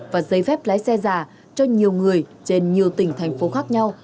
và giấy phép lái xe giả cho nhiều người trên nhiều tỉnh thành phố khác nhau